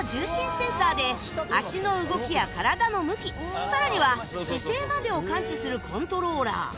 センサーで足の動きや体の向きさらには姿勢までを感知するコントローラー